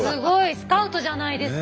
スカウトじゃないですか。